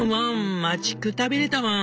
待ちくたびれたワン。